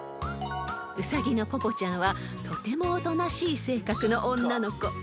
［ウサギのぽぽちゃんはとてもおとなしい性格の女の子］